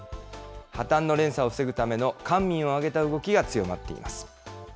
破綻の連鎖を防ぐための官民を挙げた動きが強まっています。